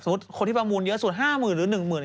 สมมติคนที่ประมูลเยอะส่วน๕๐๐๐๐หรือ๑๐๐๐๐